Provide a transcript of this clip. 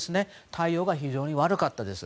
対応が非常に悪かったです。